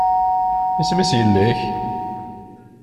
Isem-is yelli-k?